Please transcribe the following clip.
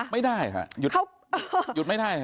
ไม่ได้ค่ะหยุดไม่ได้